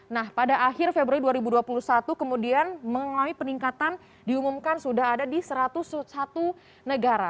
nah pada akhir februari dua ribu dua puluh satu kemudian mengalami peningkatan diumumkan sudah ada di satu ratus satu negara